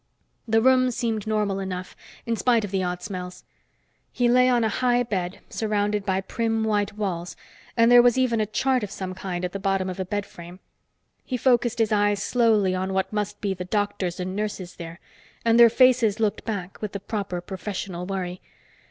The room seemed normal enough, in spite of the odd smells. He lay on a high bed, surrounded by prim white walls, and there was even a chart of some kind at the bottom of the bedframe. He focused his eyes slowly on what must be the doctors and nurses there, and their faces looked back with the proper professional worry.